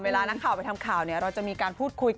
เวลานักข่าวไปทำข่าวเราจะมีการพูดคุยกัน